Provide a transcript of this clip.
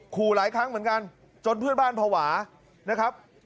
ขู่หลายครั้งเหมือนกันจนเพื่อนบ้านภาวะนะครับ